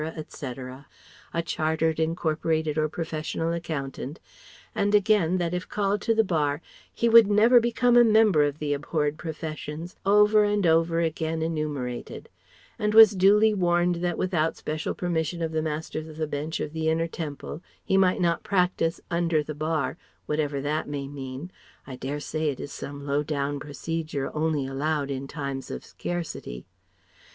etc., a Chartered, Incorporated or Professional Accountant; and again that if called to the Bar, he would never become a member of the abhorred professions over and over again enumerated; and was duly warned that without special permission of the Masters of the Bench of the Inner Temple he might not practise "under the Bar" whatever that may mean (I dare say it is some low down procedure, only allowed in times of scarcity).